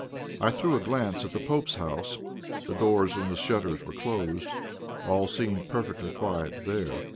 I threw a glance at the pope's house. The doors and the shutters were closed; all seemed perfectly quiet there.